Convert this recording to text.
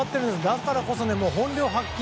だからこそ本領発揮。